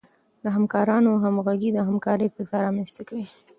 د همکارانو همغږي د همکارۍ فضا رامنځته کوي.